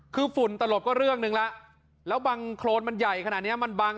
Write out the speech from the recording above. คือฝุ่นตลบก็เรื่องหนึ่งแล้วแล้วบังโครนมันใหญ่ขนาดเนี้ยมันบัง